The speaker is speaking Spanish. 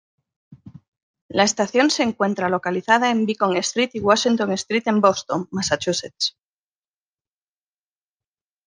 La estación se encuentra localizada en Beacon Street y Washington Street en Boston, Massachusetts.